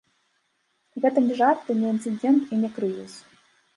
Гэта не жарты, не інцыдэнт, і не крызіс.